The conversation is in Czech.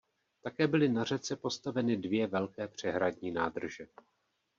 Také byly na řece postaveny dvě velké přehradní nádrže.